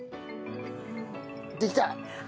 できた！